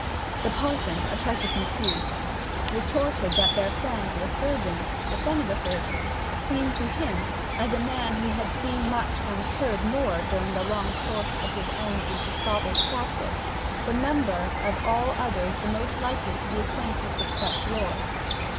The parson, a trifle confused, retorted that their friend the surgeon, the son of a surgeon, seemed to him, as a man who had seen much and heard more during the long course of his own and his father's practice, the member of all others most likely to be acquainted with such lore.